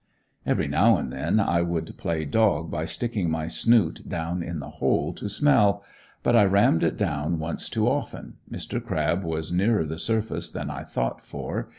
Every now and then I would play dog by sticking my snoot down in the hole to smell. But I rammed it down once too often. Mr. Crab was nearer the surface than I thought for.